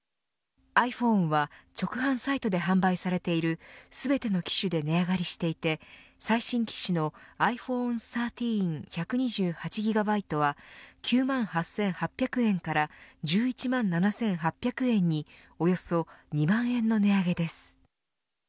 ｉＰｈｏｎｅは直販サイトで販売されている全ての機種で値上がりしていて最新機種のｉＰｈｏｎｅ１３１２８ＧＢは９万８８００円から１１万７８００円におよそ２万円の値上げです。